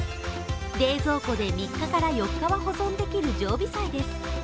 冷蔵庫で３日から４日は保存できる常備菜です。